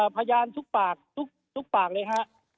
พยานทุกปากทุกปากเลยฮะ